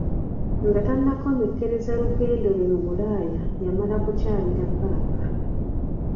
Nga tannakomekkereza lugendo lwe mu Bulaaya yamala kukyalira Papa.